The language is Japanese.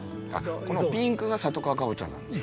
このピンクが里川かぼちゃなんだ。